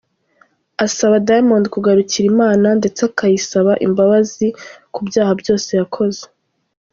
asaba Diamond kugarukira Imana ndetse akayisaba imbabazi ku byaha byose yakoze.